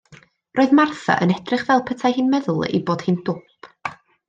Roedd Martha yn edrych fel petai hi'n meddwl ei bod hi'n dwp.